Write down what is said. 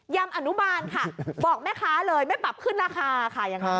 ำอนุบาลค่ะบอกแม่ค้าเลยไม่ปรับขึ้นราคาค่ะยังไง